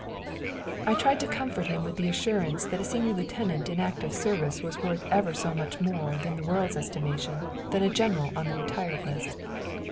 I tried to comfort him with the assurance that a senior lieutenant in active service was worth ever so much more in the world's estimation than a general on the retired list.